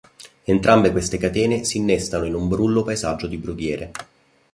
Entrambe queste catene si innestano in un brullo paesaggio di brughiere.